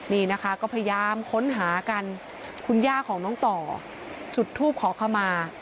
นี่นะคะก็พยายามค้นหากันคุณย่าของน้องต่อจุดทูปขอขมา